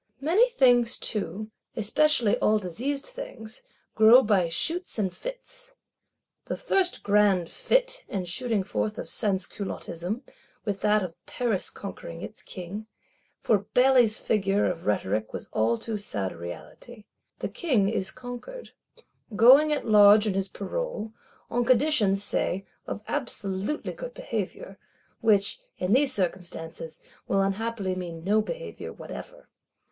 Many things too, especially all diseased things, grow by shoots and fits. The first grand fit and shooting forth of Sansculottism with that of Paris conquering its King; for Bailly's figure of rhetoric was all too sad a reality. The King is conquered; going at large on his parole; on condition, say, of absolutely good behaviour,—which, in these circumstances, will unhappily mean no behaviour whatever.